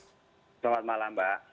selamat malam mbak